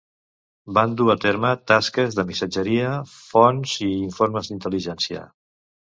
Van dur a terme tasques de missatgeria, fonts i informes d'intel·ligència.